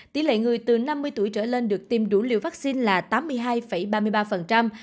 tỷ lệ người từ năm mươi tuổi trở lên được tiêm đủ liều vaccine là tám mươi hai ba mươi ba